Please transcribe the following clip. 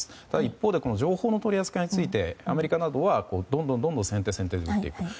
ただ一方で情報の取り扱いについてアメリカなどは、どんどん先手先手を打っていく。